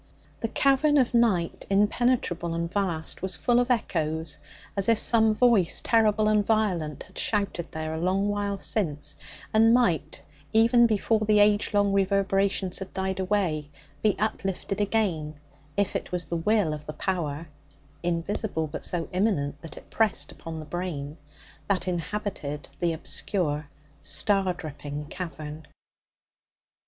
The cavern of night, impenetrable and vast, was full of echoes, as if some voice, terrible and violent, had shouted there a long while since, and might, even before the age long reverberations had died away, be uplifted again, if it was the will of the Power (invisible but so immanent that it pressed upon the brain) that inhabited the obscure, star dripping cavern.